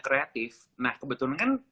kreatif nah kebetulan kan